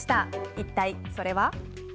一体、それは。